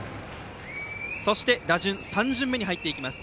そして打順３巡目に入ります。